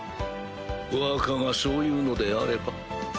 若がそう言うのであれば。